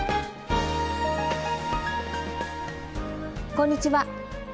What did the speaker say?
こんにちは。